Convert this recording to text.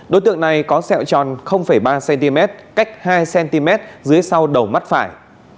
đối tượng này có sẹo tròn ba cm cách hai cm dưới sau đầu mắt phải